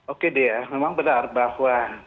oke deh ya memang benar bahwa